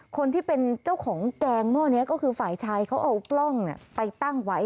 คนที่เป็นเจ้าของแกงหม้อนี้ก็คือฝ่ายชายเขาเอากล้องไปตั้งไว้